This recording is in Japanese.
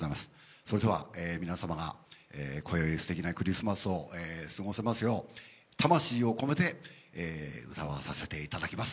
それでは皆様がこよいすてきなクリスマスを過ごせますように、魂を込めて歌わさせていただきます。